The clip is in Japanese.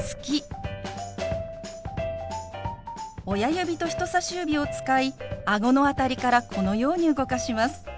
親指と人さし指を使いあごの辺りからこのように動かします。